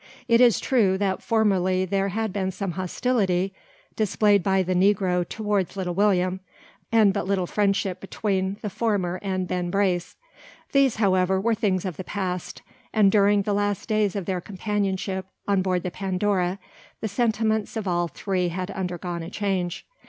It is true that formerly there had been some hostility displayed by the negro towards Little William, and but little friendship between the former and Ben Brace. These, however, were things of the past; and during the last days of their companionship on board the Pandora the sentiments of all three had undergone a change.